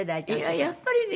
いややっぱりね